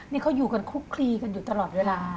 นี่เขาอยู่กันคุกคลีกันอยู่ตลอดเวลา